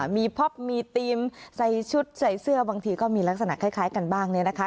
มีพ็อปมีธีมใส่ชุดใส่เสื้อบางทีก็มีลักษณะคล้ายกันบ้างเนี่ยนะคะ